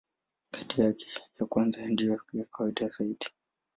Kati yake, ya kwanza ndiyo ya kawaida zaidi.